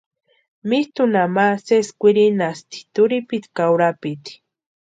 Mitʼunha ma sési kwirinhasti turhipiti ka urapiti.